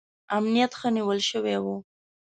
امنیت ښه نیول شوی و.